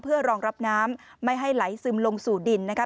เพื่อรองรับน้ำไม่ให้ไหลซึมลงสู่ดินนะคะ